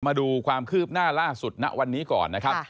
มาดูความคืบหน้าล่าสุดณวันนี้ก่อนนะครับ